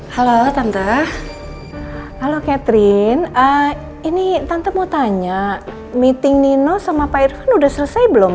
halo tante kalau catherine ini tante mau tanya meeting nino sama pak irvan udah selesai belum